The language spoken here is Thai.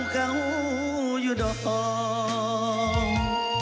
ยาวเกาอยู่ด้อง